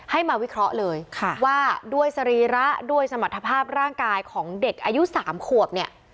ให้มาวิเคราะห์เลยว่าด้วยสรีระด้วยสมรรถภาพร่างกายของเด็กอายุ๓ขวบเนี่ย